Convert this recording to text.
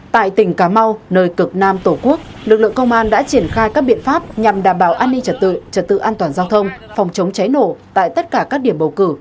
tại tỉnh cà mau nơi cực nam tổ quốc lực lượng công an đã triển khai các biện pháp nhằm đảm bảo an ninh trật tự trật tự an toàn giao thông phòng chống cháy nổ tại tất cả các điểm bầu cử